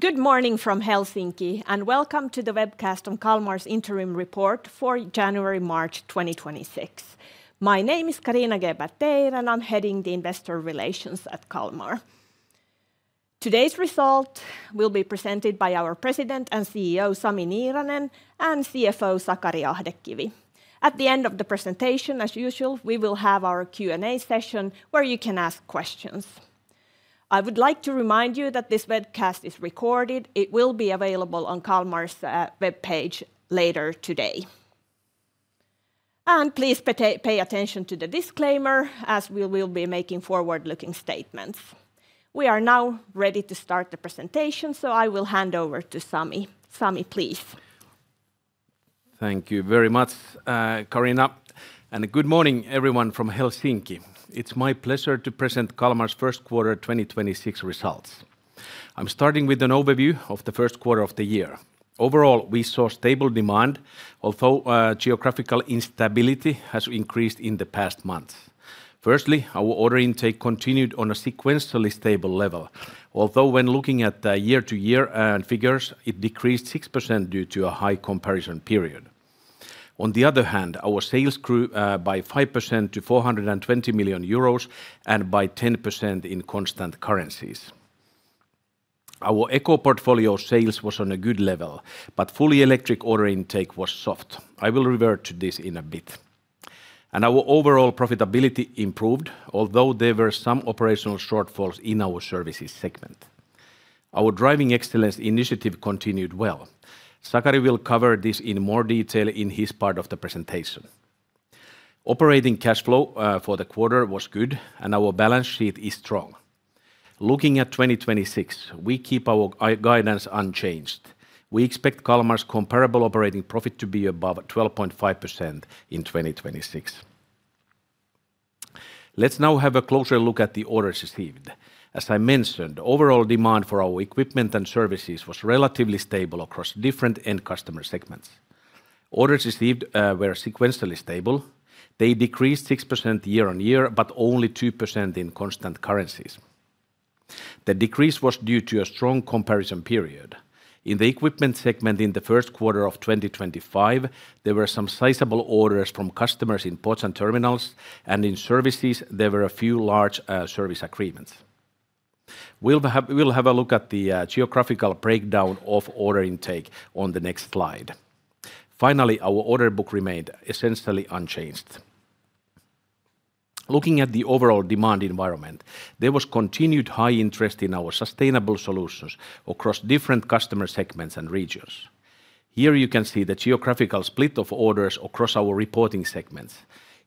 Good morning from Helsinki. Welcome to the webcast on Kalmar's interim report for January-March 2026. My name is Carina Geber-Teir, and I'm heading the Investor Relations at Kalmar. Today's result will be presented by our President and CEO, Sami Niiranen, and CFO, Sakari Ahdekivi. At the end of the presentation, as usual, we will have our Q&A session where you can ask questions. I would like to remind you that this webcast is recorded. It will be available on Kalmar's webpage later today. Please pay attention to the disclaimer, as we will be making forward-looking statements. We are now ready to start the presentation. I will hand over to Sami. Sami, please. Thank you very much, Carina, and good morning, everyone, from Helsinki. It's my pleasure to present Kalmar's first quarter 2026 results. I'm starting with an overview of the first quarter of the year. Overall, we saw stable demand, although geographical instability has increased in the past month. Firstly, our order intake continued on a sequentially stable level, although when looking at the year-over-year figures, it decreased 6% due to a high comparison period. On the other hand, our sales grew by 5% to 420 million euros and by 10% in constant currencies. Our eco portfolio sales was on a good level, but fully electric order intake was soft. I will revert to this in a bit. Our overall profitability improved, although there were some operational shortfalls in our Services segment. Our Driving Excellence initiative continued well. Sakari will cover this in more detail in his part of the presentation. Operating cash flow for the quarter was good, and our balance sheet is strong. Looking at 2026, we keep our guidance unchanged. We expect Kalmar's comparable Operating Profit to be above 12.5% in 2026. Let's now have a closer look at the orders received. As I mentioned, overall demand for our equipment and services was relatively stable across different end customer segments. Orders received were sequentially stable. They decreased 6% year-on-year, but only 2% in constant currencies. The decrease was due to a strong comparison period. In the Equipment segment in the first quarter of 2025, there were some sizable orders from customers in ports and terminals, and in services, there were a few large service agreements. We'll have a look at the geographical breakdown of order intake on the next slide. Our order book remained essentially unchanged. Looking at the overall demand environment, there was continued high interest in our sustainable solutions across different customer segments and regions. Here you can see the geographical split of orders across our reporting segments.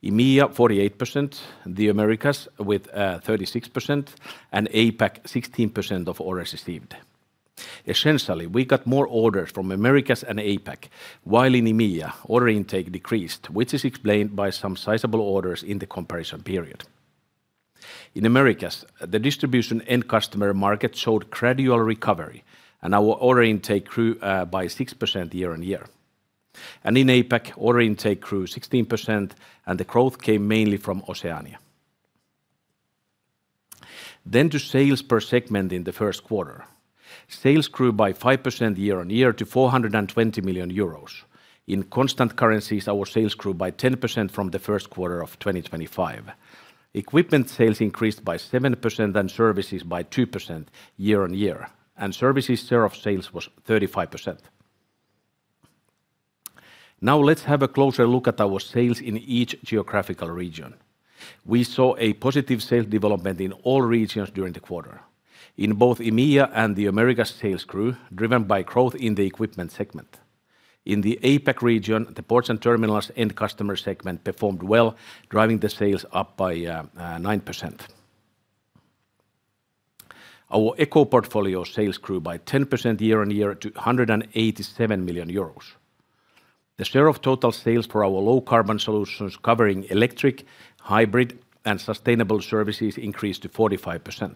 EMEA, 48%, the Americas with 36%, APAC, 16% of orders received. Essentially, we got more orders from Americas and APAC, while in EMEA, order intake decreased, which is explained by some sizable orders in the comparison period. In Americas, the distribution end customer market showed gradual recovery, our order intake grew by 6% year-on-year. In APAC, order intake grew 16%, the growth came mainly from Oceania. To sales per segment in the first quarter. Sales grew by 5% year-on-year to 420 million euros. In constant currencies, our sales grew by 10% from the 1st quarter of 2025. Equipment sales increased by 7% and services by 2% year-on-year, and services share of sales was 35%. Let's have a closer look at our sales in each geographical region. We saw a positive sales development in all regions during the quarter. In both EMEA and the Americas sales grew, driven by growth in the Equipment segment. In the APAC region, the Ports and Terminals End Customer segment performed well, driving the sales up by 9%. Our eco portfolio sales grew by 10% year-on-year to 187 million euros. The share of total sales for our low carbon solutions covering electric, hybrid, and sustainable services increased to 45%.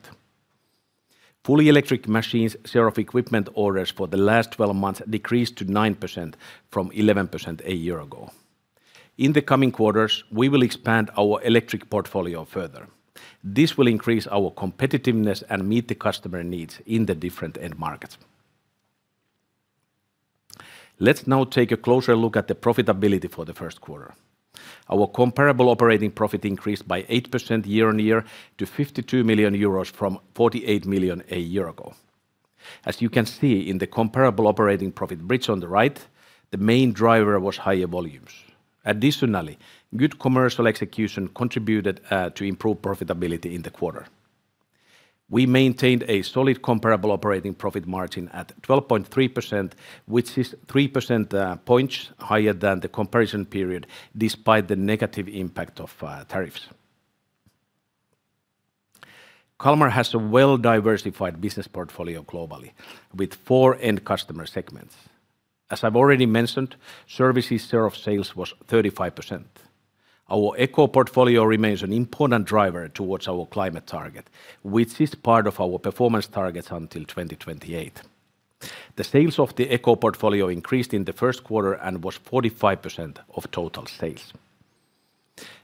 Fully electric machines share of equipment orders for the last 12 months decreased to 9% from 11% a year ago. In the coming quarters, we will expand our electric portfolio further. This will increase our competitiveness and meet the customer needs in the different end markets. Let's now take a closer look at the profitability for the first quarter. Our comparable operating profit increased by 8% year-on-year to 52 million euros from 48 million a year ago. As you can see in the comparable operating profit bridge on the right, the main driver was higher volumes. Additionally, good commercial execution contributed to improved profitability in the quarter. We maintained a solid comparable operating profit margin at 12.3%, which is 3% points higher than the comparison period despite the negative impact of tariffs. Kalmar has a well-diversified business portfolio globally with four end customer segments. As I've already mentioned, services share of sales was 35%. Our eco portfolio remains an important driver towards our climate target, which is part of our performance targets until 2028. The sales of the eco portfolio increased in the first quarter and was 45% of total sales.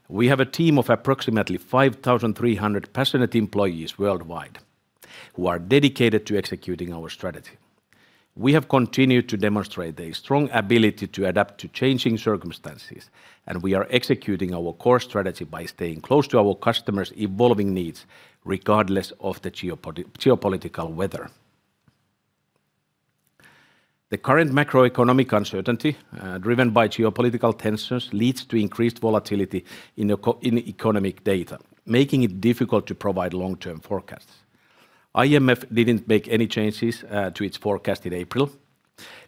We have a team of approximately 5,300 passionate employees worldwide who are dedicated to executing our strategy. We have continued to demonstrate a strong ability to adapt to changing circumstances, and we are executing our core strategy by staying close to our customers' evolving needs, regardless of the geopolitical weather. The current macroeconomic uncertainty, driven by geopolitical tensions, leads to increased volatility in economic data, making it difficult to provide long-term forecasts. IMF didn't make any changes to its forecast in April.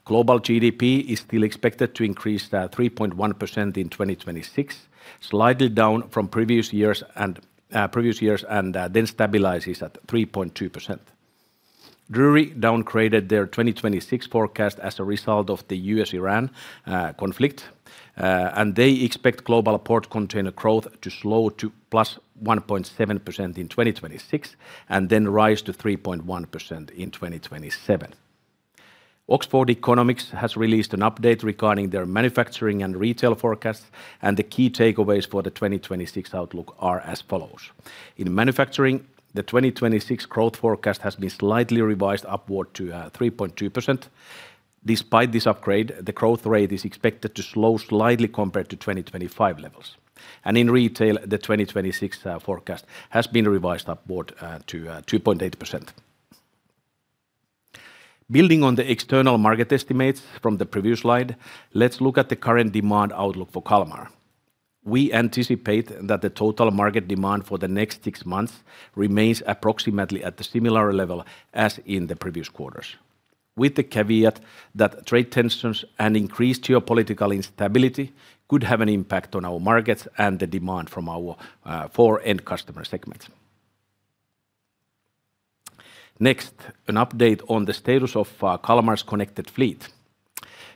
Global GDP is still expected to increase 3.1% in 2026, slightly down from previous years and, then stabilizes at 3.2%. Drewry downgraded their 2026 forecast as a result of the U.S.-Iran conflict, and they expect global port container growth to slow to +1.7% in 2026 and then rise to 3.1% in 2027. Oxford Economics has released an update regarding their manufacturing and retail forecasts. The key takeaways for the 2026 outlook are as follows. In manufacturing, the 2026 growth forecast has been slightly revised upward to 3.2%. Despite this upgrade, the growth rate is expected to slow slightly compared to 2025 levels. In retail, the 2026 forecast has been revised upward to 2.8%. Building on the external market estimates from the previous slide, let's look at the current demand outlook for Kalmar. We anticipate that the total market demand for the next 6 months remains approximately at the similar level as in the previous quarters, with the caveat that trade tensions and increased geopolitical instability could have an impact on our markets and the demand from our four end customer segments. Next, an update on the status of Kalmar's connected fleet.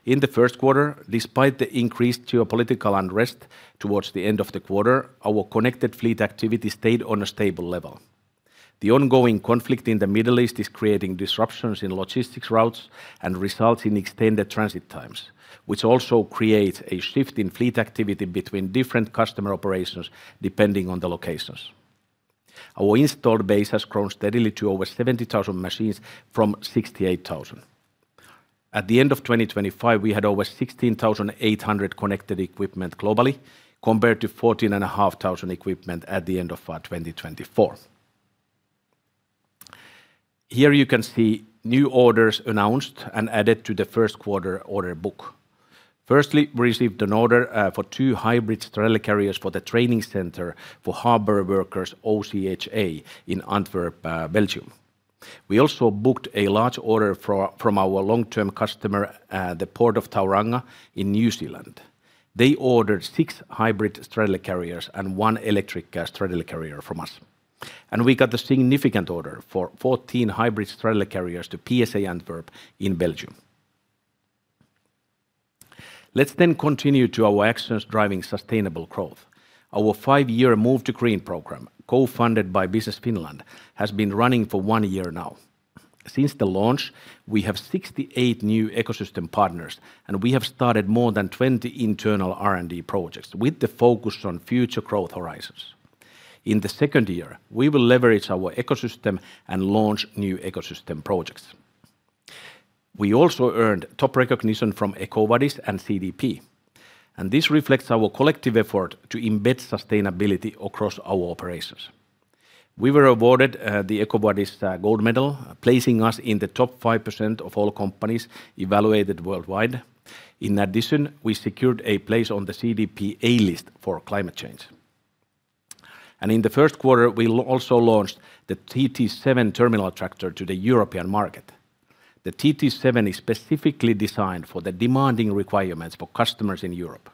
In the first quarter, despite the increased geopolitical unrest towards the end of the quarter, our connected fleet activity stayed on a stable level. The ongoing conflict in the Middle East is creating disruptions in logistics routes and results in extended transit times, which also creates a shift in fleet activity between different customer operations depending on the locations. Our installed base has grown steadily to over 70,000 machines from 68,000. At the end of 2025, we had over 16,800 connected equipment globally, compared to 14,500 equipment at the end of 2024. Here you can see new orders announced and added to the first quarter order book. Firstly, we received an order for two hybrid straddle carriers for the training center for harbor workers OCHA in Antwerp, Belgium. We also booked a large order from our long-term customer, the Port of Tauranga in New Zealand. They ordered 6 hybrid straddle carriers and 1 electric straddle carrier from us. We got a significant order for 14 hybrid straddle carriers to PSA Antwerp in Belgium. Let's continue to our actions driving sustainable growth. Our 5-year Move2Green program, co-funded by Business Finland, has been running for 1 year now. Since the launch, we have 68 new ecosystem partners, and we have started more than 20 internal R&D projects with the focus on future growth horizons. In the second year, we will leverage our ecosystem and launch new ecosystem projects. We also earned top recognition from EcoVadis and CDP. This reflects our collective effort to embed sustainability across our operations. We were awarded the EcoVadis Gold Medal, placing us in the top 5% of all companies evaluated worldwide. In addition, we secured a place on the CDP A List for climate change. In the 1st quarter, we also launched the TT7 terminal tractor to the European market. The TT7 is specifically designed for the demanding requirements for customers in Europe.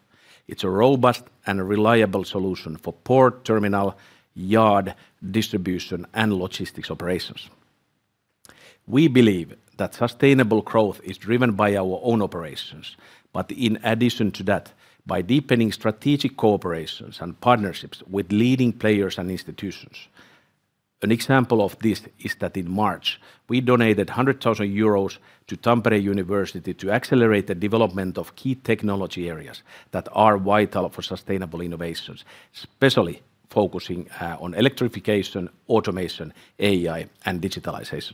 It's a robust and reliable solution for port, terminal, yard, distribution, and logistics operations. We believe that sustainable growth is driven by our own operations, but in addition to that, by deepening strategic cooperations and partnerships with leading players and institutions. An example of this is that in March, we donated 100,000 euros to Tampere University to accelerate the development of key technology areas that are vital for sustainable innovations, especially focusing on electrification, automation, AI, and digitalization.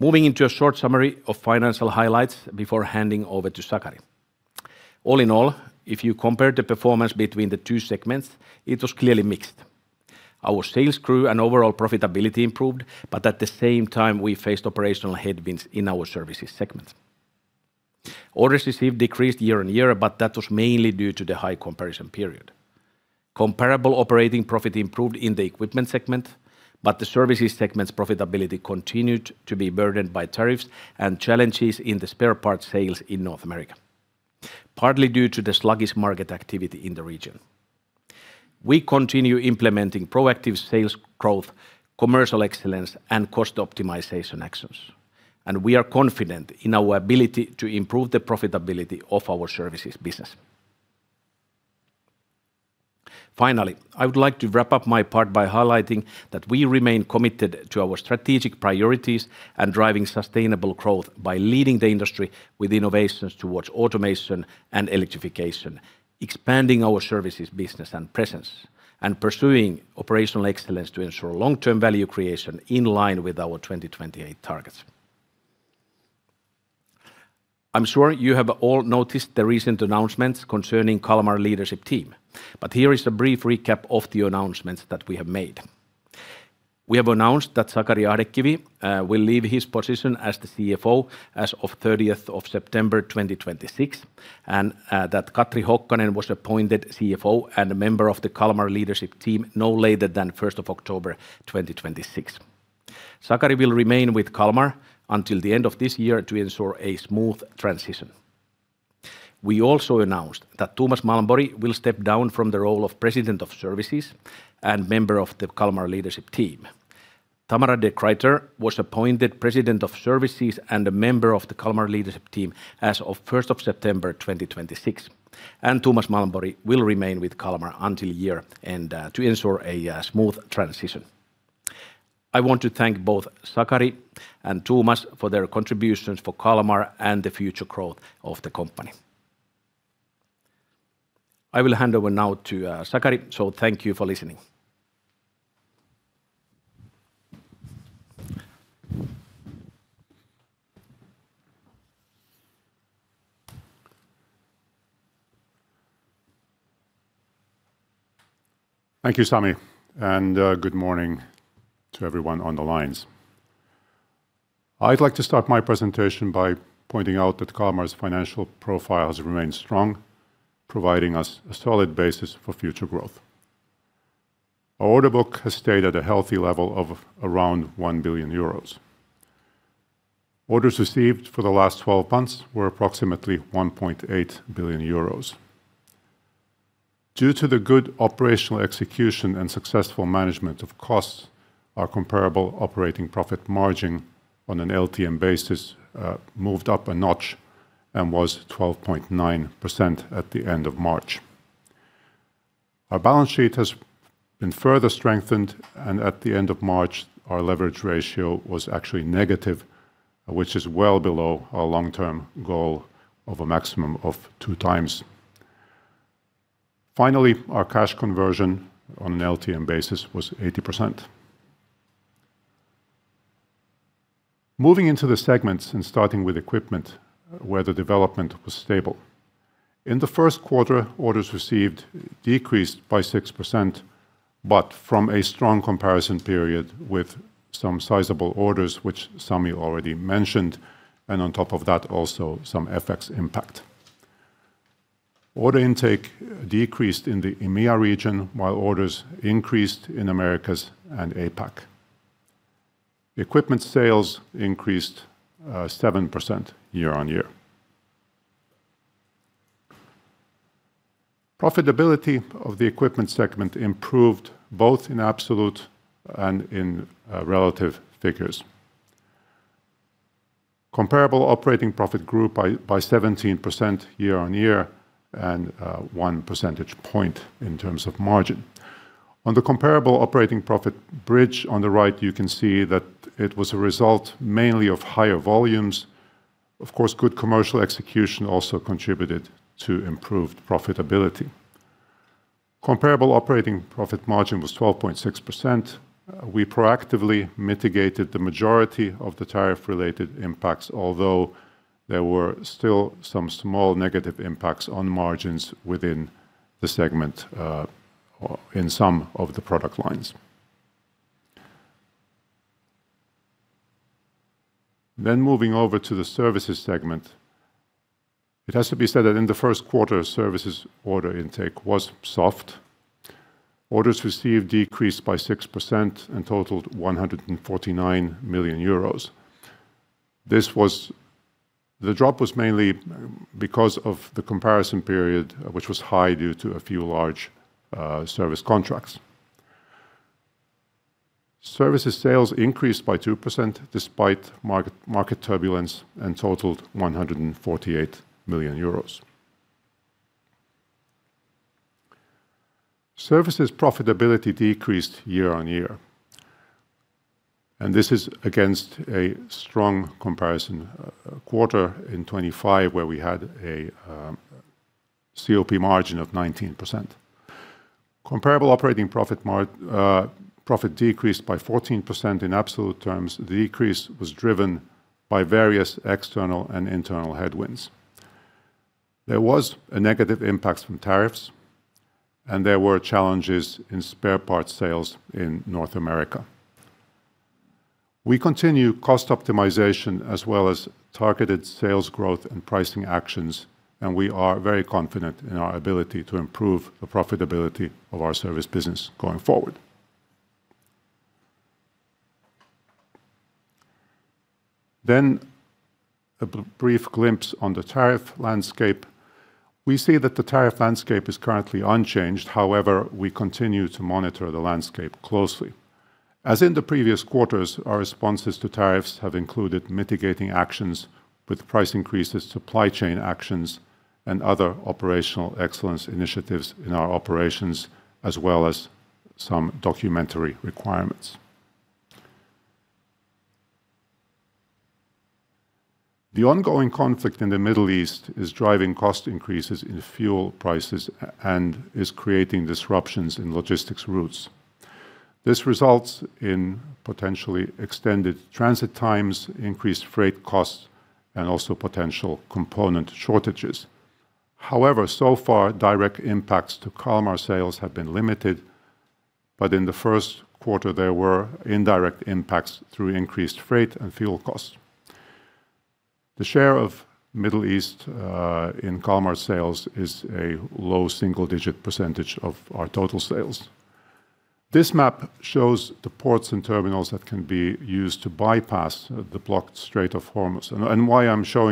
Moving into a short summary of financial highlights before handing over to Sakari. All in all, if you compare the performance between the two segments, it was clearly mixed. Our sales grew and overall profitability improved, but at the same time, we faced operational headwinds in our Services segment. Orders received decreased year-over-year, but that was mainly due to the high comparison period. Comparable operating profit improved in the Equipment segment, but the Services segment's profitability continued to be burdened by tariffs and challenges in the spare parts sales in North America, partly due to the sluggish market activity in the region. We continue implementing proactive sales growth, commercial excellence, and cost optimization actions, and we are confident in our ability to improve the profitability of our services business. Finally, I would like to wrap up my part by highlighting that we remain committed to our strategic priorities and driving sustainable growth by leading the industry with innovations towards automation and electrification, expanding our services business and presence, and pursuing operational excellence to ensure long-term value creation in line with our 2028 targets. I'm sure you have all noticed the recent announcements concerning Kalmar leadership team, but here is a brief recap of the announcements that we have made. We have announced that Sakari Ahdekivi will leave his position as the CFO as of 30th of September 2026, and that Katri Hokkanen was appointed CFO and a member of the Kalmar leadership team no later than 1st of October 2026. Sakari will remain with Kalmar until the end of this year to ensure a smooth transition. We also announced that Tomas Malmborg will step down from the role of President of Services and member of the Kalmar leadership team. Tamara de Gruyter was appointed President of Services and a member of the Kalmar leadership team as of 1st of September 2026, and Tomas Malmborg will remain with Kalmar until year end to ensure a smooth transition. I want to thank both Sakari and Tomas for their contributions for Kalmar and the future growth of the company. I will hand over now to Sakari. Thank you for listening. Thank you, Sami, and good morning to everyone on the lines. I'd like to start my presentation by pointing out that Kalmar's financial profile has remained strong, providing us a solid basis for future growth. Our order book has stayed at a healthy level of around 1 billion euros. Orders received for the last 12 months were approximately 1.8 billion euros. Due to the good operational execution and successful management of costs, our comparable Operating Profit margin on an LTM basis moved up a notch and was 12.9% at the end of March. Our balance sheet has been further strengthened, and at the end of March, our leverage ratio was actually negative, which is well below our long-term goal of a maximum of 2x. Finally, our cash conversion on an LTM basis was 80%. Moving into the segments and starting with equipment, where the development was stable. In the first quarter, orders received decreased by 6%, but from a strong comparison period with some sizable orders, which Sami already mentioned, and on top of that, also some FX impact. Order intake decreased in the EMEA region, while orders increased in Americas and APAC. Equipment sales increased 7% year-on-year. Profitability of the equipment segment improved both in absolute and in relative figures. Comparable Operating Profit grew by 17% year-on-year and 1 percentage point in terms of margin. On the comparable Operating Profit bridge on the right, you can see that it was a result mainly of higher volumes. Of course, good commercial execution also contributed to improved profitability. Comparable Operating Profit margin was 12.6%. We proactively mitigated the majority of the tariff-related impacts, although there were still some small negative impacts on margins within the segment or in some of the product lines. Moving over to the Services segment, it has to be said that in the first quarter, services order intake was soft. Orders received decreased by 6% and totaled 149 million euros. The drop was mainly because of the comparison period, which was high due to a few large service contracts. Services sales increased by 2% despite market turbulence and totaled 148 million euros. Services profitability decreased year on year, and this is against a strong comparison quarter in 2025, where we had an Operating Profit margin of 19%. Comparable operating profit decreased by 14% in absolute terms. The decrease was driven by various external and internal headwinds. There was a negative impact from tariffs, and there were challenges in spare parts sales in North America. We continue cost optimization as well as targeted sales growth and pricing actions, and we are very confident in our ability to improve the profitability of our service business going forward. A brief glimpse on the tariff landscape. We see that the tariff landscape is currently unchanged. However, we continue to monitor the landscape closely. As in the previous quarters, our responses to tariffs have included mitigating actions with price increases, supply chain actions, and other operational excellence initiatives in our operations as well as some documentary requirements. The ongoing conflict in the Middle East is driving cost increases in fuel prices and is creating disruptions in logistics routes. This results in potentially extended transit times, increased freight costs, and also potential component shortages. So far, direct impacts to Kalmar sales have been limited, but in the first quarter, there were indirect impacts through increased freight and fuel costs. The share of Middle East in Kalmar sales is a low single-digit percentage of our total sales. Why I'm showing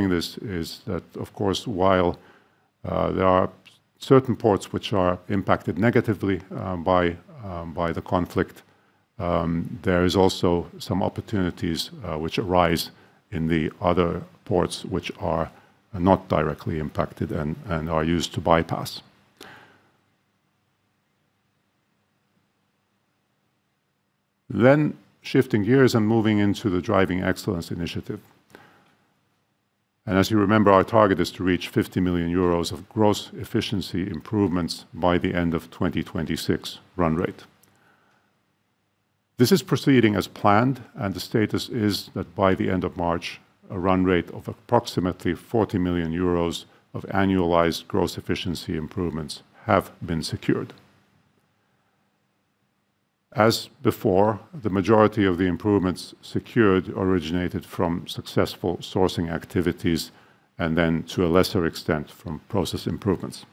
this is that, of course, while there are certain ports which are impacted negatively by the conflict, there is also some opportunities which arise in the other ports which are not directly impacted and are used to bypass. Shifting gears and moving into the Driving Excellence initiative. As you remember, our target is to reach 50 million euros of gross efficiency improvements by the end of 2026 run rate. This is proceeding as planned, and the status is that by the end of March, a run rate of approximately 40 million euros of annualized gross efficiency improvements have been secured. As before, the majority of the improvements secured originated from successful sourcing activities and then to a lesser extent from process improvements.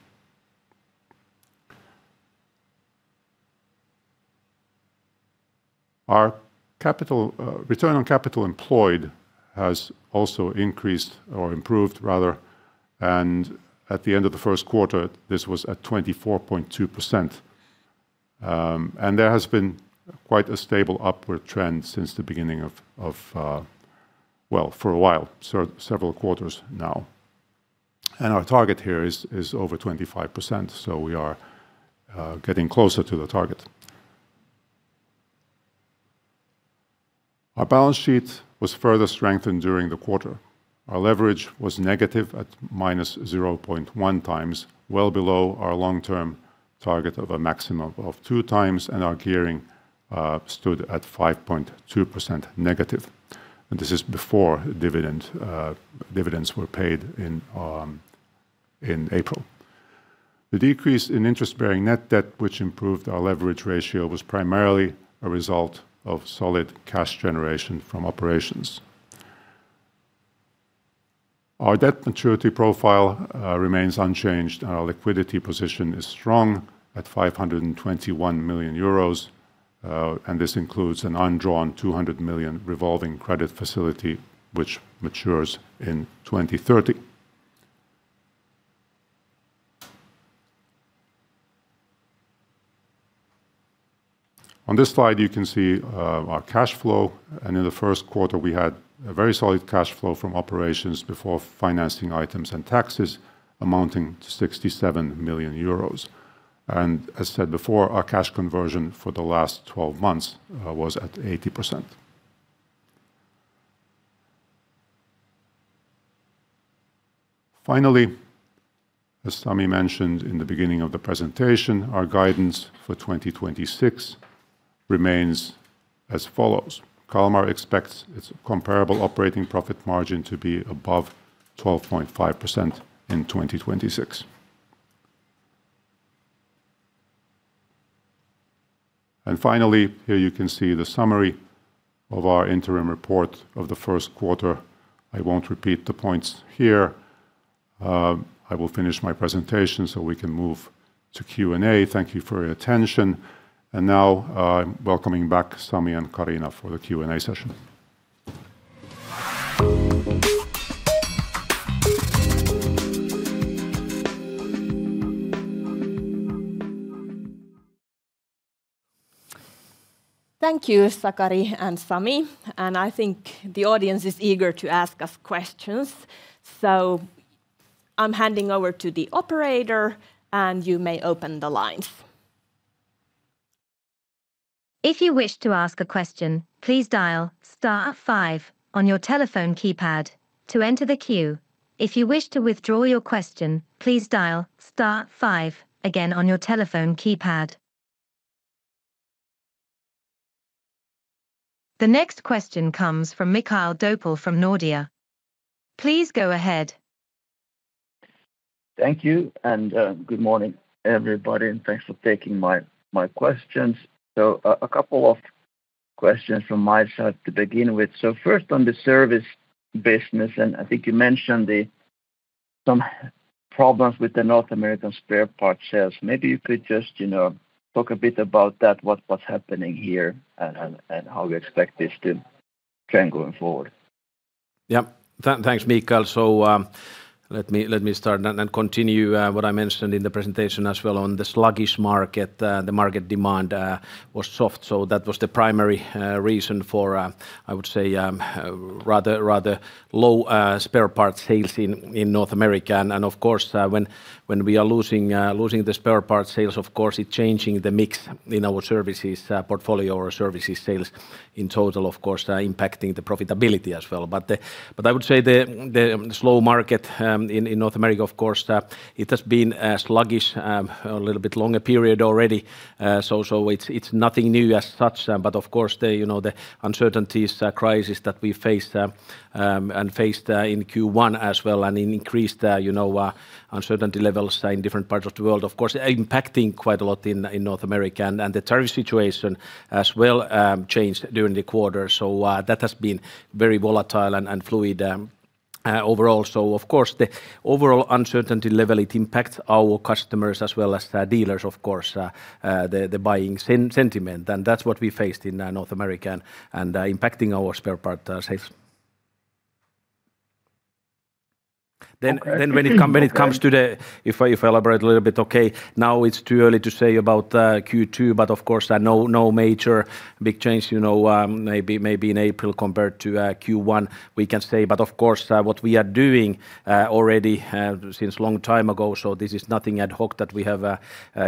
Our capital, return on capital employed has also increased or improved rather, and at the end of the first quarter, this was at 24.2%. There has been quite a stable upward trend since the beginning of, for a while, several quarters now. Our target here is over 25%, so we are getting closer to the target. Our balance sheet was further strengthened during the quarter. Our leverage was negative at -0.1x, well below our long-term target of a maximum of 2x, and our gearing stood at -5.2%. This is before dividend, dividends were paid in April. The decrease in interest-bearing net debt, which improved our leverage ratio, was primarily a result of solid cash generation from operations. Our debt maturity profile remains unchanged. Our liquidity position is strong at 521 million euros, and this includes an undrawn 200 million revolving credit facility which matures in 2030. On this slide, you can see our cash flow. In the first quarter, we had a very solid cash flow from operations before financing items and taxes amounting to 67 million euros. As said before, our cash conversion for the last 12 months was at 80%. Finally, as Sami mentioned in the beginning of the presentation, our guidance for 2026 remains as follows. Kalmar expects its comparable operating profit margin to be above 12.5% in 2026. Finally, here you can see the summary of our interim report of the 1st quarter. I won't repeat the points here. I will finish my presentation so we can move to Q&A. Thank you for your attention. Now, I'm welcoming back Sami and Carina for the Q&A session. Thank you, Sakari and Sami. I think the audience is eager to ask us questions. I'm handing over to the operator. You may open the lines. The next question comes from Mikael Doepel from Nordea. Please go ahead. Thank you. Good morning, everybody, and thanks for taking my questions. A couple of questions from my side to begin with. First, on the service business, and I think you mentioned some problems with the North American spare parts sales. Maybe you could just, you know, talk a bit about that, what's happening here and how you expect this to trend going forward. Thanks, Mikael. Let me, let me start and continue what I mentioned in the presentation as well on the sluggish market. The market demand was soft, so that was the primary reason for, I would say, rather low spare parts sales in North America. Of course, when we are losing the spare parts sales, of course it changing the mix in our services portfolio or services sales in total, of course, impacting the profitability as well. I would say the slow market in North America, of course, it has been sluggish a little bit longer period already. So it's nothing new as such. Of course the, you know, the uncertainties, the crisis that we faced and faced in Q1 as well, and increased, you know, uncertainty levels in different parts of the world, of course impacting quite a lot in North America. The tariff situation as well changed during the quarter. That has been very volatile and fluid overall. Of course the overall uncertainty level, it impacts our customers as well as the dealers, of course, the buying sentiment. That's what we faced in North America and impacting our spare part sales. Okay. When it comes to the, if I elaborate a little bit, okay. Now it's too early to say about Q2, of course, no major big change, you know, maybe in April compared to Q1 we can say. Of course, what we are doing already since long time ago, this is nothing ad hoc that we have,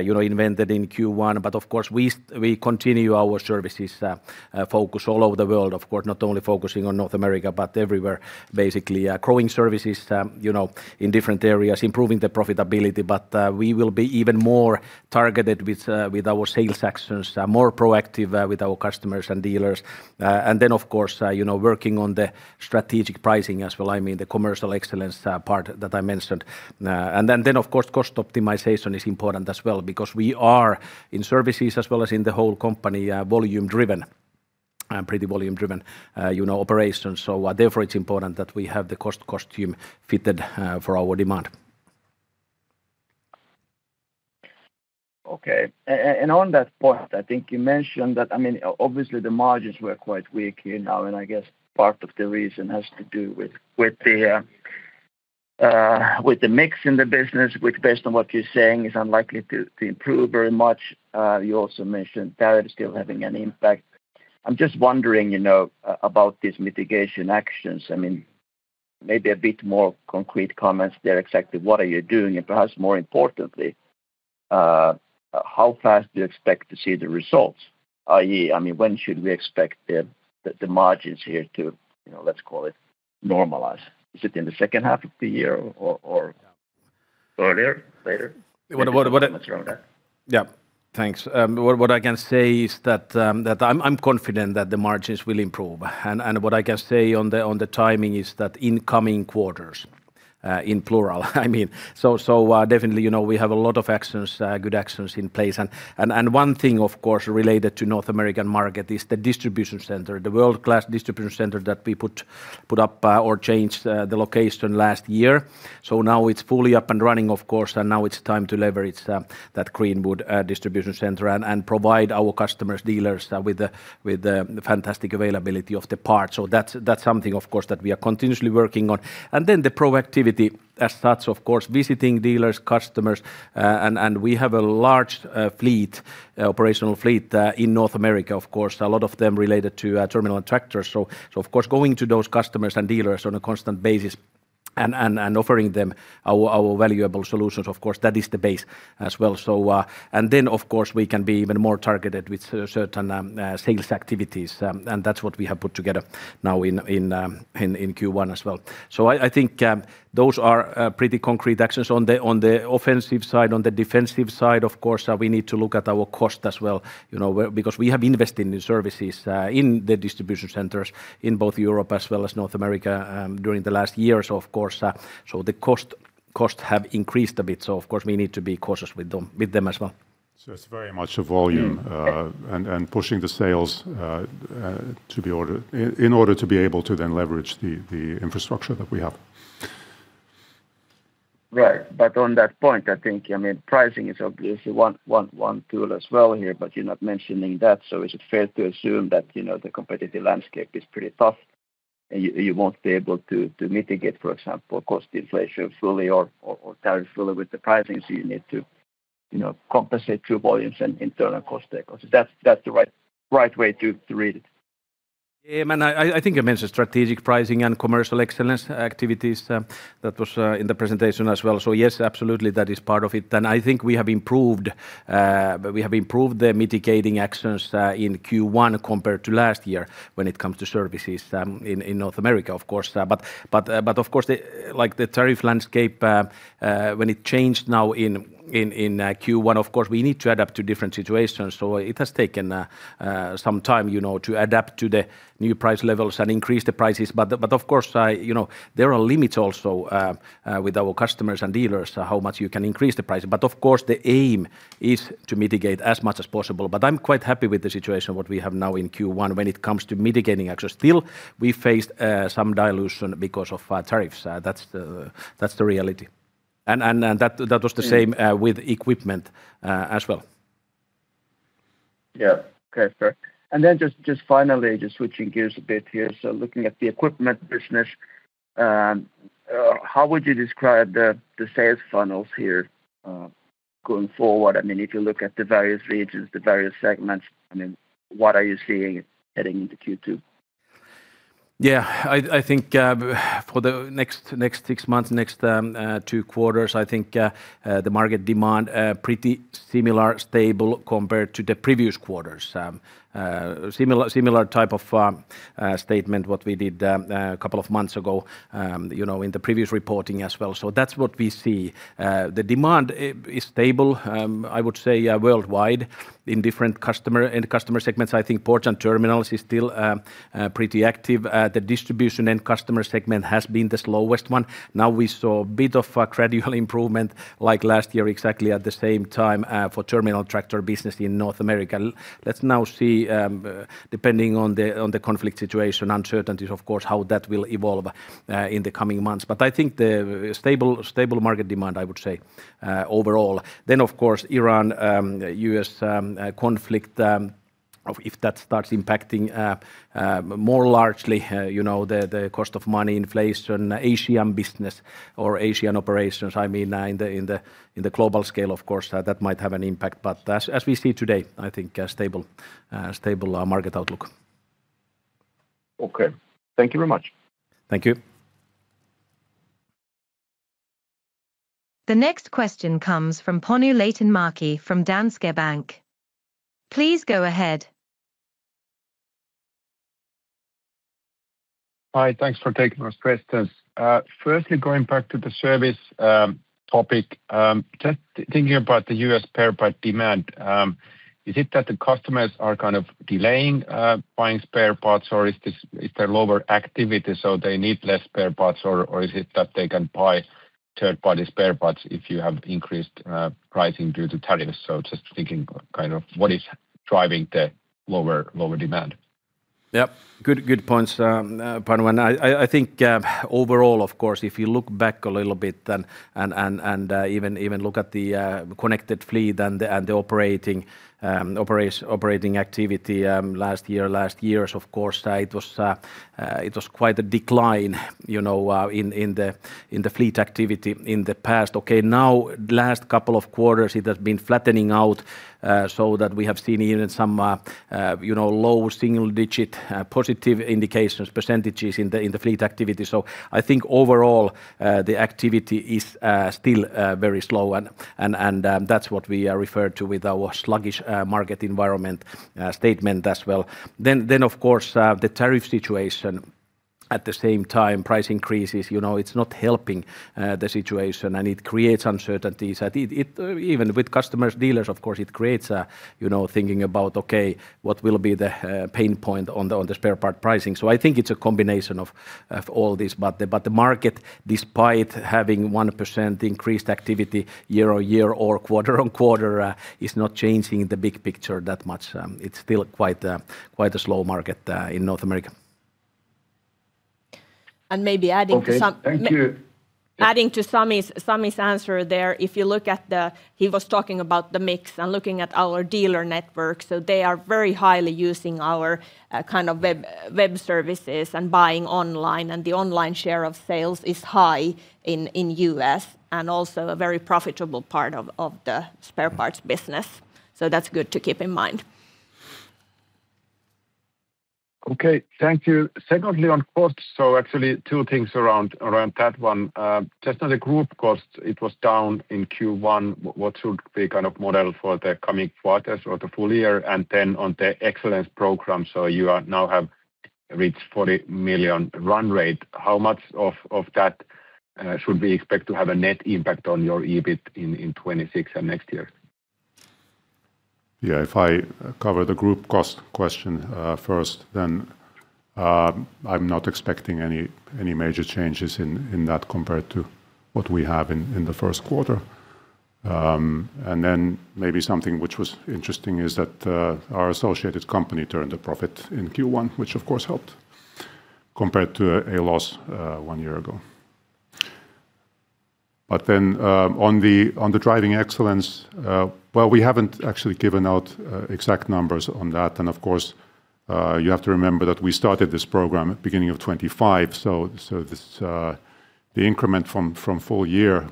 you know, invented in Q1. Of course we continue our services focus all over the world. Of course, not only focusing on North America, but everywhere, basically, growing services, you know, in different areas, improving the profitability. We will be even more targeted with our sales actions, more proactive with our customers and dealers. Then of course, you know, working on the strategic pricing as well, I mean the commercial excellence part that I mentioned. Then of course cost optimization is important as well because we are in services as well as in the whole company, volume driven, pretty volume driven, you know, operations. Therefore it's important that we have the cost team fitted for our demand. Okay. On that point, I think you mentioned that. I mean, obviously the margins were quite weak, you know, and I guess part of the reason has to do with the mix in the business, which based on what you're saying is unlikely to improve very much. You also mentioned tariff still having an impact. I'm just wondering, you know, about these mitigation actions. I mean, maybe a bit more concrete comments there. Exactly what are you doing? Perhaps more importantly, how fast do you expect to see the results? I.e., I mean, when should we expect the margins here to, you know, let's call it normalize? Is it in the second half of the year or earlier? Later? What? Can you comment much around that? Yeah. Thanks. What I can say is that I'm confident that the margins will improve. What I can say on the timing is that in coming quarters, in plural I mean. Definitely, you know, we have a lot of actions, good actions in place. One thing of course related to North American market is the distribution center. The world-class distribution center that we put up or changed the location last year. Now it's fully up and running, of course, and now it's time to leverage that Greenwood distribution center and provide our customers, dealers, with the fantastic availability of the parts. That's something of course that we are continuously working on. The proactivity as such, of course, visiting dealers, customers. We have a large operational fleet in North America, of course, a lot of them related to terminal tractors. Of course going to those customers and dealers on a constant basis and offering them our valuable solutions. Of course, that is the base as well. Of course we can be even more targeted with certain sales activities. That's what we have put together now in Q1 as well. I think those are pretty concrete actions on the offensive side. On the defensive side, of course, we need to look at our cost as well, you know. We have invested in services in the distribution centers in both Europe as well as North America during the last years, of course. The cost have increased a bit, so of course we need to be cautious with them as well. It's very much a volume. Mm. Pushing the sales, in order to be able to then leverage the infrastructure that we have. Right. On that point, I think, I mean, pricing is obviously one tool as well here, but you're not mentioning that. Is it fair to assume that, you know, the competitive landscape is pretty tough and you won't be able to mitigate, for example, cost inflation fully or tariff fully with the pricing, so you need to, you know, compensate through volumes and internal cost cuts? Is that the right way to read it? Yeah, I mean, I think I mentioned strategic pricing and commercial excellence activities. That was in the presentation as well. Yes, absolutely that is part of it. I think we have improved the mitigating actions in Q1 compared to last year when it comes to services in North America, of course. But of course the, like, the tariff landscape, when it changed now in Q1, of course we need to adapt to different situations. It has taken some time, you know, to adapt to the new price levels and increase the prices. But of course, you know, there are limits also with our customers and dealers how much you can increase the price. Of course the aim is to mitigate as much as possible. I'm quite happy with the situation what we have now in Q1 when it comes to mitigating actions. Still we faced some dilution because of tariffs. That's the reality. That was the same- Yeah with equipment, as well. Yeah. Okay, fair. Then just finally, switching gears a bit here. Looking at the equipment business, how would you describe the sales funnels here going forward? I mean, if you look at the various regions, the various segments, I mean, what are you seeing heading into Q2? Yeah. I think for the next six months, next two quarters, I think the market demand pretty similar, stable compared to the previous quarters. Similar type of statement what we did a couple of months ago, you know, in the previous reporting as well. That's what we see. The demand is stable, I would say worldwide in different customer segments. I think ports and terminals is still pretty active. The Distribution End Customer segment has been the slowest one. Now we saw a bit of a gradual improvement like last year exactly at the same time for terminal tractor business in North America. Let's now see, depending on the conflict situation uncertainties, of course, how that will evolve in the coming months. I think the stable market demand, I would say, overall. Of course Iran, U.S. conflict, if that starts impacting more largely, you know, the cost of money, inflation, Asian business or Asian operations, I mean, in the global scale, of course, that might have an impact. As we see today, I think a stable market outlook. Okay. Thank you very much. Thank you. The next question comes from Panu Laitinmäki from Danske Bank. Please go ahead. Hi. Thanks for taking those questions. Firstly, going back to the service topic, just thinking about the U.S. spare part demand, is it that the customers are kind of delaying buying spare parts, or is there lower activity so they need less spare parts, or is it that they can buy third-party spare parts if you have increased pricing due to tariffs? Just thinking kind of what is driving the lower demand. Good, good points, Panu. I think overall, of course, if you look back a little bit and even look at the connected fleet and the operating activity, last year, last years, of course, it was quite a decline, you know, in the fleet activity in the past. Now last couple of quarters it has been flattening out, so that we have seen even some, you know, low 1-digit positive indications, % in the fleet activity. I think overall, the activity is still very slow and that's what we refer to with our sluggish market environment statement as well. Of course, the tariff situation at the same time, price increases, you know, it's not helping the situation and it creates uncertainties and it even with customers, dealers, of course, it creates, you know, thinking about, okay, what will be the pain point on the spare part pricing. I think it's a combination of all this. The market, despite having 1% increased activity year-on-year or quarter-on-quarter, is not changing the big picture that much. It's still quite a slow market in North America. And maybe adding some- Okay. Thank you adding to Sami's answer there. He was talking about the mix and looking at our dealer network. They are very highly using our kind of web services and buying online. The online share of sales is high in U.S. and also a very profitable part of the spare parts business. That's good to keep in mind. Okay. Thank you. Secondly, on costs, actually two things around that one. Just on the group cost, it was down in Q1. What should be kind of model for the coming quarters or the full year? On the Excellence program, you are now have reached 40 million run rate. How much of that should we expect to have a net impact on your EBIT in 2026 and next year? If I cover the group cost question first, I'm not expecting any major changes in that compared to what we have in the first quarter. Maybe something which was interesting is that our associated company turned a profit in Q1, which of course helped, compared to a loss 1 year ago. On the Driving Excellence, we haven't actually given out exact numbers on that. Of course, you have to remember that we started this program at beginning of 2025, so this the increment from full year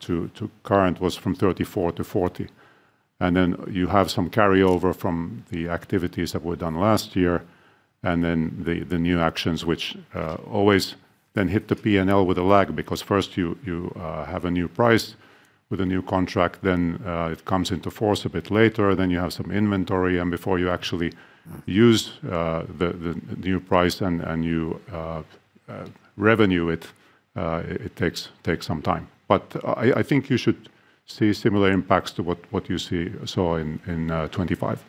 to current was from 34-40. You have some carryover from the activities that were done last year, the new actions which always then hit the P&L with a lag because first you have a new price with a new contract, then it comes into force a bit later, then you have some inventory, and before you actually use the new price and you revenue it takes some time. I think you should see similar impacts to what you saw in 2025.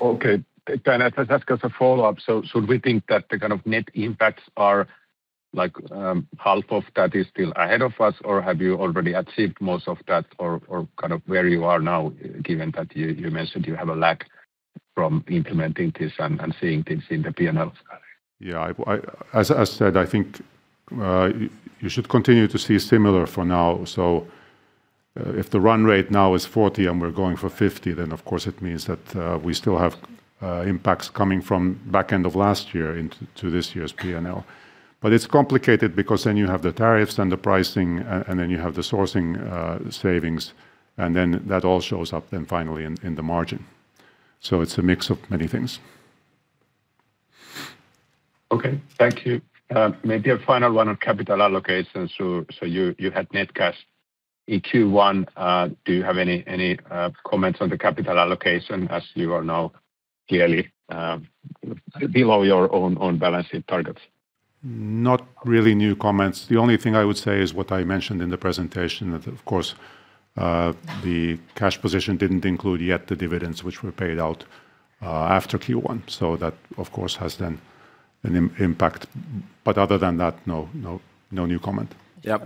Okay. Can I just ask as a follow-up, should we think that the kind of net impacts are like, half of that is still ahead of us, or have you already achieved most of that, or kind of where you are now given that you mentioned you have a lag? From implementing this and seeing things in the P&L side. I, as I said, I think, you should continue to see similar for now. If the run rate now is 40 and we're going for 50, of course it means that we still have impacts coming from back end of last year into to this year's P&L. It's complicated because then you have the tariffs and the pricing and then you have the sourcing savings, and then that all shows up then finally in the margin. It's a mix of many things. Okay. Thank you. Maybe a final one on capital allocation. You had net cash in Q1. Do you have any comments on the capital allocation as you are now clearly below your own balance sheet targets? Not really new comments. The only thing I would say is what I mentioned in the presentation that, of course, the cash position didn't include yet the dividends which were paid out after Q1. That of course has then an impact. Other than that, no new comment. Yeah.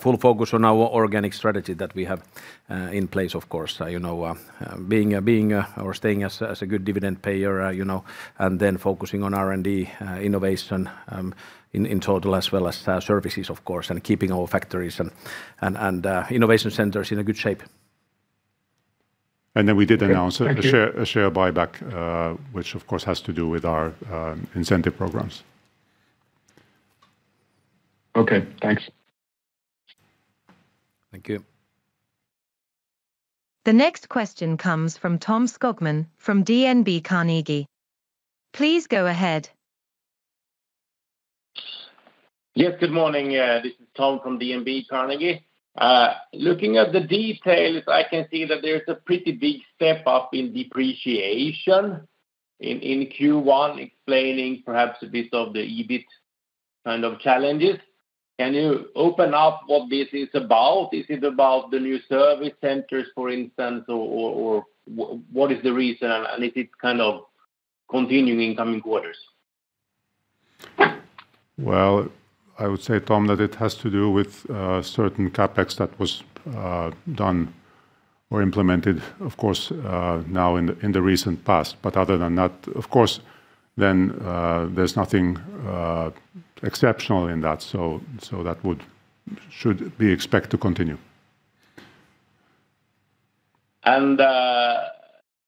Full focus on our organic strategy that we have in place of course. You know, being a or staying as a good dividend payer, you know, and then focusing on R&D, innovation, in total as well as services of course, and keeping our factories and innovation centers in a good shape. We did announce. Okay. Thank you A share, a share buyback, which of course has to do with our incentive programs. Okay. Thanks. Thank you. The next question comes from Tom Skogman from DNB Carnegie. Please go ahead. Yes. Good morning. This is Tom from DNB Carnegie. Looking at the details, I can see that there's a pretty big step up in depreciation in Q1 explaining perhaps a bit of the EBIT kind of challenges. Can you open up what this is about? Is it about the new service centers, for instance? Or, what is the reason? Is it kind of continuing in coming quarters? I would say, Tom, that it has to do with certain CapEx that was done or implemented, of course, now in the recent past. Other than that, of course, then, there's nothing exceptional in that. That should be expected to continue.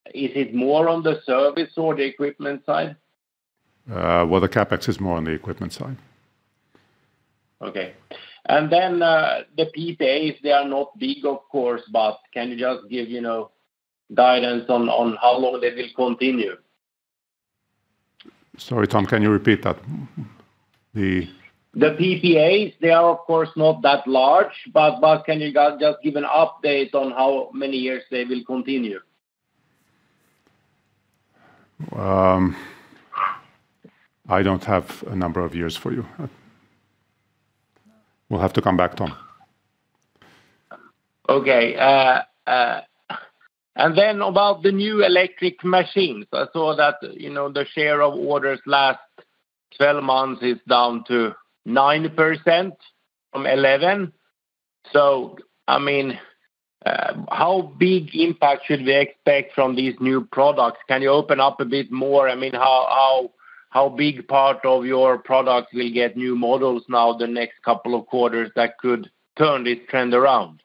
Is it more on the service or the equipment side? Well, the CapEx is more on the equipment side. Okay. The PPAs, they are not big of course, but can you just give, you know, guidance on how long they will continue? Sorry, Tom, can you repeat that? The PPAs, they are of course not that large, but can you just give an update on how many years they will continue? I don't have a number of years for you. We'll have to come back, Tom. Okay. Then about the new electric machines, I saw that, you know, the share of orders last 12 months is down to 9% from 11%. I mean, how big impact should we expect from these new products? Can you open up a bit more? I mean, how big part of your product will get new models now the next couple of quarters that could turn this trend around?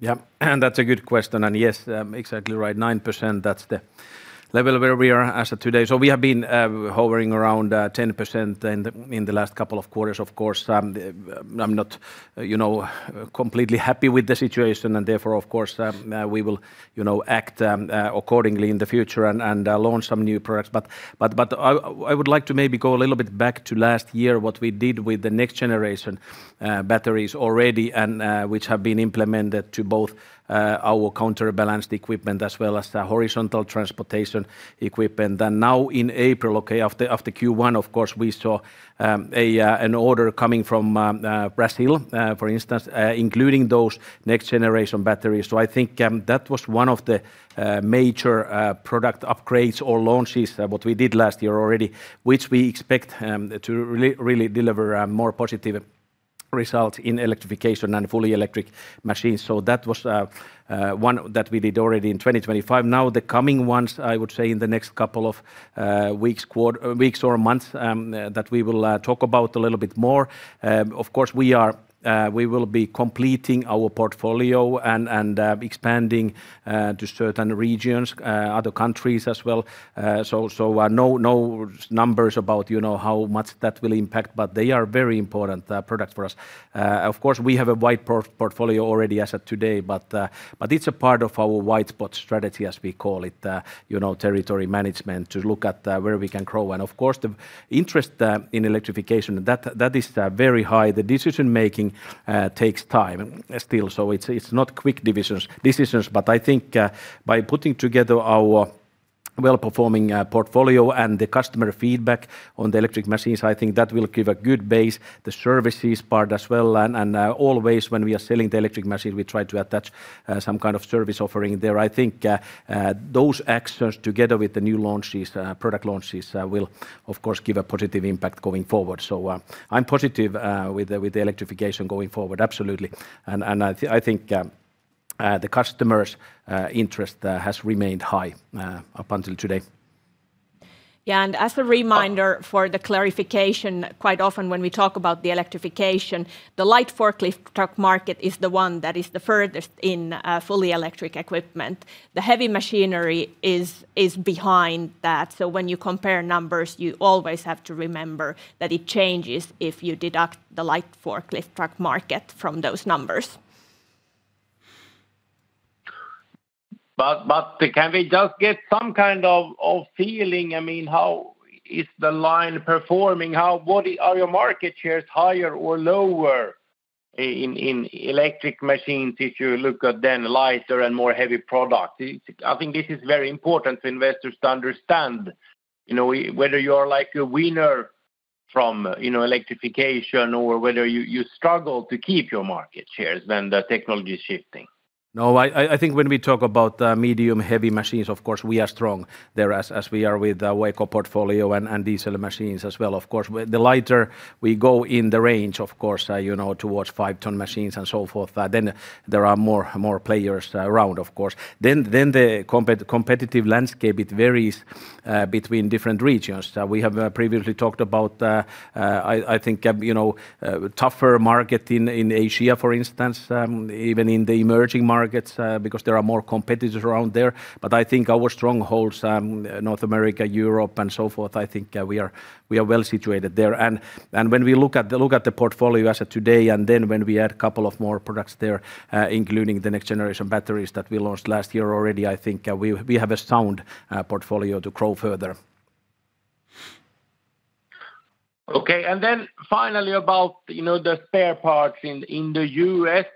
Yeah. That's a good question. Yes, exactly right. 9%, that's the level where we are as of today. We have been hovering around 10% in the last couple of quarters. Of course, I'm not, you know, completely happy with the situation and therefore of course, we will, you know, act accordingly in the future and launch some new products. I would like to maybe go a little bit back to last year, what we did with the next generation batteries already and which have been implemented to both our counterbalanced equipment as well as the horizontal transportation equipment. Now in April, okay, after Q1, of course, we saw an order coming from Brazil, for instance, including those next generation batteries. I think that was one of the major product upgrades or launches what we did last year already, which we expect to really deliver a more positive result in electrification and fully electric machines. That was one that we did already in 2025. The coming ones, I would say in the next couple of weeks or months, that we will talk about a little bit more. Of course, we will be completing our portfolio and expanding to certain regions, other countries as well. No, no numbers about, you know, how much that will impact, but they are very important products for us. Of course, we have a wide portfolio already as of today, but it's a part of our white spot strategy as we call it, you know, territory management to look at where we can grow. Of course the interest in electrification, that is very high. The decision-making takes time still. It's not quick decisions. I think by putting together our well-performing portfolio and the customer feedback on the electric machines, I think that will give a good base, the services part as well. Always when we are selling the electric machine, we try to attach some kind of service offering there. I think those actions together with the new launches, product launches, will of course give a positive impact going forward. I'm positive with the electrification going forward. Absolutely. I think the customers' interest has remained high up until today. Yeah, and as a reminder for the clarification, quite often when we talk about the electrification, the light forklift truck market is the one that is the furthest in fully electric equipment. The heavy machinery is behind that. When you compare numbers, you always have to remember that it changes if you deduct the light forklift truck market from those numbers. Can we just get some kind of feeling, I mean, how is the line performing? What are your market shares higher or lower in electric machines if you look at then lighter and more heavy products? I think this is very important for investors to understand, you know, whether you are like a winner from, you know, electrification or whether you struggle to keep your market shares when the technology is shifting. I think when we talk about medium heavy machines, of course, we are strong there as we are with the Eco portfolio and diesel machines as well. With the lighter we go in the range, of course, you know, towards 5-ton machines and so forth, then there are more players around of course. The competitive landscape, it varies between different regions. We have previously talked about, I think, you know, tougher market in Asia, for instance, even in the emerging markets, because there are more competitors around there. I think our strongholds, North America, Europe, and so forth, I think, we are well situated there. When we look at the portfolio as of today and then when we add a couple of more products there, including the next generation batteries that we launched last year already, I think, we have a sound portfolio to grow further. Okay. Finally about, you know, the spare parts in the U.S.,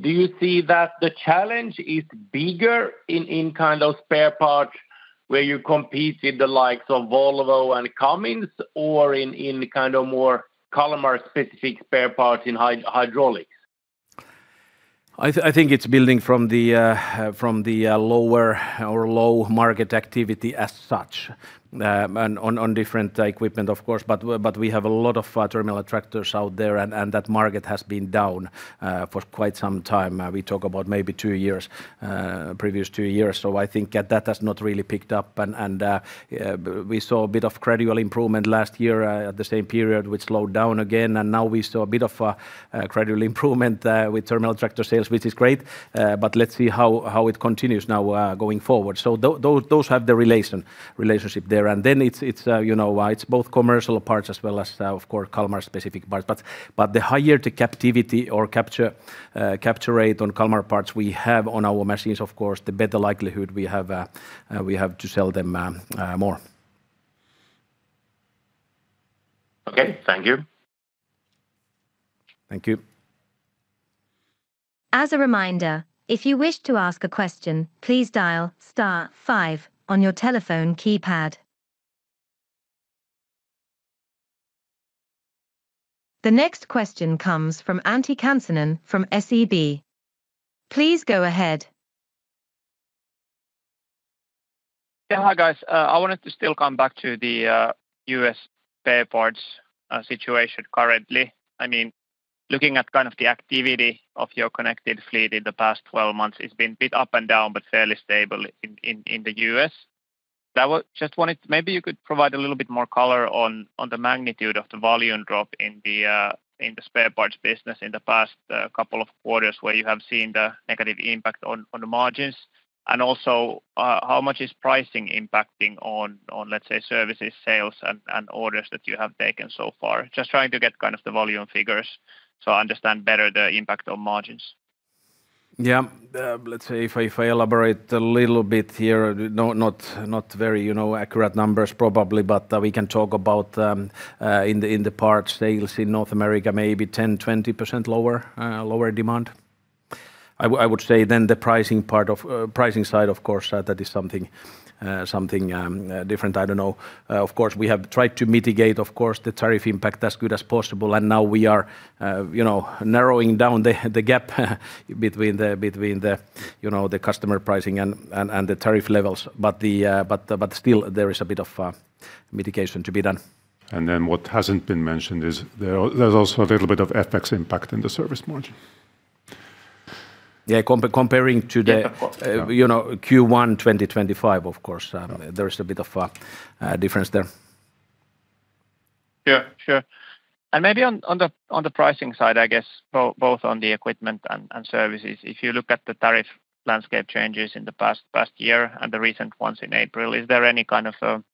do you see that the challenge is bigger in kind of spare parts where you compete with the likes of Volvo and Cummins or in kind of more Kalmar specific spare parts in hydraulics? I think it's building from the from the lower or low market activity as such, on on different equipment of course. We have a lot of terminal tractors out there and that market has been down for quite some time. We talk about maybe 2 years, previous 2 years. I think that has not really picked up and we saw a bit of gradual improvement last year at the same period, which slowed down again and now we saw a bit of gradual improvement with terminal tractor sales, which is great. Let's see how it continues now going forward. Those have the relationship there. Then it's, you know, it's both commercial parts as well as of course, Kalmar specific parts. The higher the captivity or capture rate on Kalmar parts we have on our machines, of course, the better likelihood we have to sell them, more. Okay. Thank you. Thank you. As a reminder, if you wish to ask a question, please dial star five on your telephone keypad. The next question comes from Antti Kansanen from SEB. Please go ahead. Yeah. Hi, guys. I wanted to still come back to the U.S. spare parts situation currently. I mean, looking at kind of the activity of your connected fleet in the past 12 months, it's been a bit up and down, but fairly stable in the U.S. Maybe you could provide a little bit more color on the magnitude of the volume drop in the spare parts business in the past couple of quarters where you have seen the negative impact on the margins and also, how much is pricing impacting on, let's say, services, sales and orders that you have taken so far? Just trying to get kind of the volume figures so I understand better the impact on margins. Let's say if I, if I elaborate a little bit here, not very, you know, accurate numbers probably. We can talk about in the parts sales in North America, maybe 10-20% lower demand. I would say then the pricing side, of course, that is something different. I don't know. Of course, we have tried to mitigate, of course, the tariff impact as good as possible. Now we are, you know, narrowing down the gap between the, you know, the customer pricing and the tariff levels. Still there is a bit of mitigation to be done. What hasn't been mentioned is there's also a little bit of FX impact in the service margin. Yeah. comparing to the- Yeah. Of course... you know, Q1 2025, of course. Yeah There is a bit of difference there. Yeah. Sure. Maybe on the, on the pricing side, I guess, both on the equipment and services, if you look at the tariff landscape changes in the past year and the recent ones in April, is there any kind of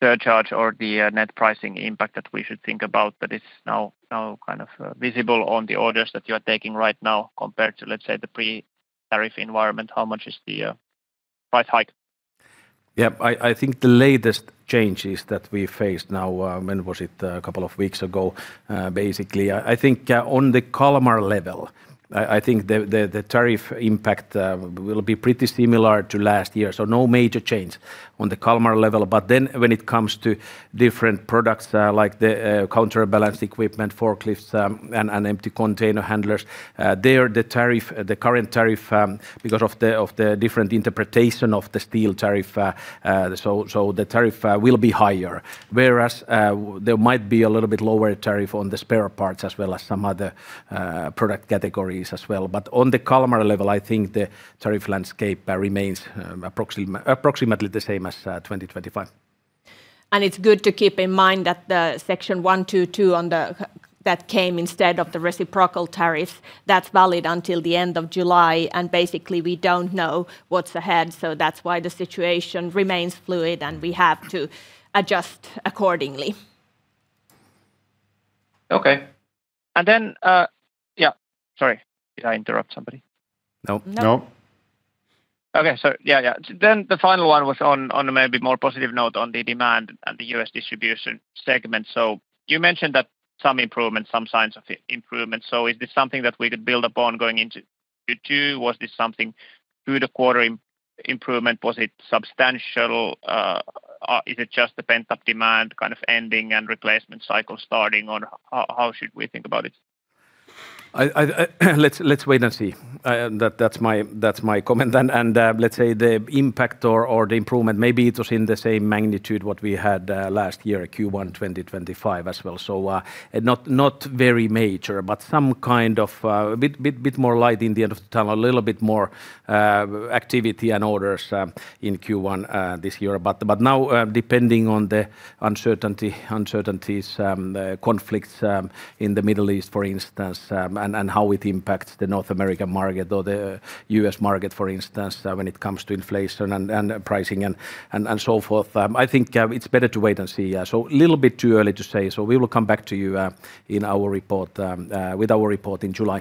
a surcharge or the net pricing impact that we should think about that is now kind of visible on the orders that you're taking right now compared to, let's say, the pre-tariff environment? How much is the price hike? Yeah. I think the latest changes that we faced now, when was it? A couple of weeks ago, basically. I think on the Kalmar level, I think the tariff impact will be pretty similar to last year. No major change on the Kalmar level. When it comes to different products, like the counterbalanced equipment, forklifts, and empty container handlers, there the tariff, the current tariff, because of the different interpretation of the steel tariff, the tariff will be higher. There might be a little bit lower tariff on the spare parts as well as some other product categories as well. On the Kalmar level, I think the tariff landscape remains approximately the same as 2025. It's good to keep in mind that the Section 122 that came instead of the reciprocal tariff, that's valid until the end of July, and basically we don't know what's ahead, so that's why the situation remains fluid and we have to adjust accordingly. Okay. Yeah, sorry. Did I interrupt somebody? No. No. Okay. Yeah, yeah. The final one was on a maybe more positive note on the demand at the U.S. Distribution segment. You mentioned that some improvement, some signs of improvement, is this something that we could build upon going into 2? Was this something through the quarter improvement? Was it substantial? Is it just the pent-up demand kind of ending and replacement cycle starting, or how should we think about it? Let's wait and see. That's my comment. Let's say the impact or the improvement, maybe it was in the same magnitude what we had last year at Q1 2025 as well. Not very major, but some kind of bit more light in the end of the tunnel, a little bit more activity and orders in Q1 this year. Now, depending on the uncertainties, the conflicts in the Middle East, for instance, and how it impacts the North American market or the U.S. market, for instance, when it comes to inflation and pricing and so forth, I think it's better to wait and see. Little bit too early to say, so we will come back to you, in our report, with our report in July.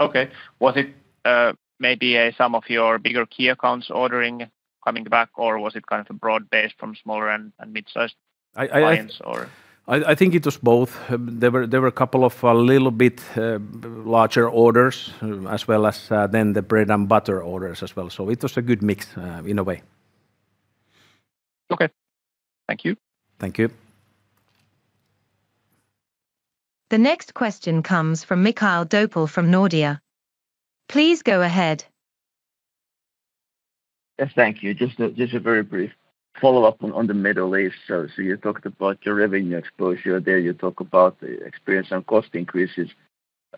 Okay. Was it, maybe, some of your bigger key accounts ordering coming back, or was it kind of a broad base from smaller and mid-sized-? I, I- clients, or? I think it was both. There were a couple of a little bit larger orders, as well as then the bread-and-butter orders as well. It was a good mix in a way. Okay. Thank you. Thank you. The next question comes from Mikael Doepel from Nordea. Please go ahead. Yes, thank you. Just a very brief follow-up on the Middle East. You talked about your revenue exposure there. You talk about experiencing some cost increases.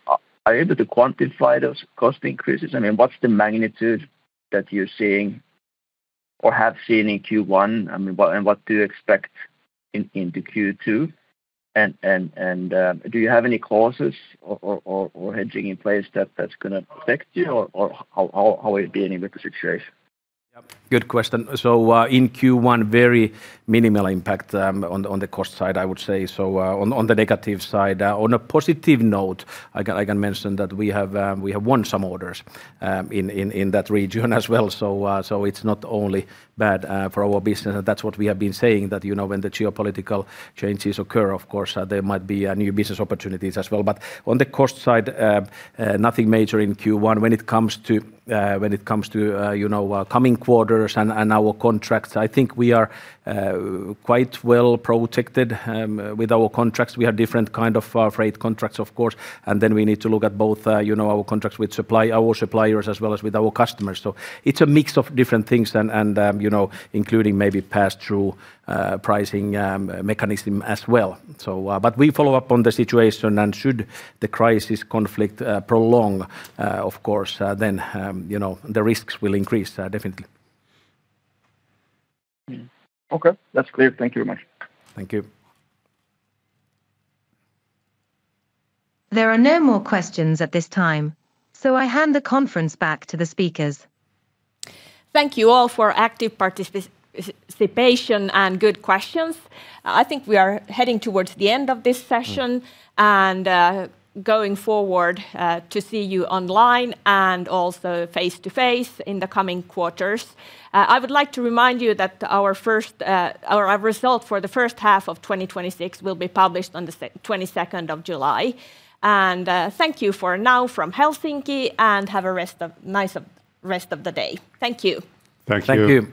Are you able to quantify those cost increases? I mean, what's the magnitude that you're seeing or have seen in Q1? I mean, what do you expect into Q2? Do you have any clauses or hedging in place that that's gonna affect you? How are you dealing with the situation? Yeah, good question. In Q1, very minimal impact on the cost side, I would say, on the negative side. On a positive note, I can mention that we have won some orders in that region as well, it's not only bad for our business. That's what we have been saying, that, you know, when the geopolitical changes occur, of course, there might be new business opportunities as well. On the cost side, nothing major in Q1. When it comes to, you know, coming quarters and our contracts, I think we are quite well protected with our contracts. We have different kind of freight contracts, of course. Then we need to look at both, you know, our contracts with our suppliers as well as with our customers. It's a mix of different things and, you know, including maybe pass-through pricing mechanism as well. But we follow up on the situation, and should the crisis conflict prolong, of course, then, you know, the risks will increase definitely. Okay, that's clear. Thank you very much. Thank you. There are no more questions at this time, so I hand the conference back to the speakers. Thank you all for active participation and good questions. I think we are heading towards the end of this session. Mm... going forward, to see you online and also face to face in the coming quarters. I would like to remind you that our first, our result for the first half of 2026 will be published on the 22nd of July. Thank you for now from Helsinki, and have a nice rest of the day. Thank you. Thank you. Thank you.